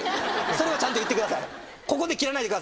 それはちゃんと言ってください。